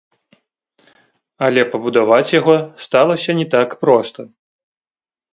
Але пабудаваць яго сталася не так проста.